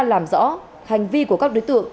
làm rõ hành vi của các đối tượng